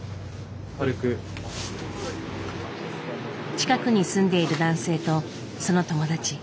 近くに住んでいる男性とその友達。